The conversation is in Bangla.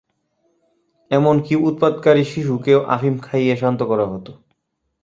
এমনকি উৎপাতকারী শিশুকেও আফিম খাইয়ে শান্ত করা হতো।